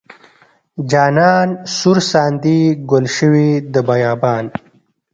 جانان سور ساندې ګل شوې د بیابان.